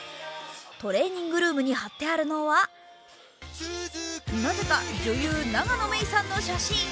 トレーニングルームに貼ってあるのは、なぜか女優・永野芽郁さんの写真。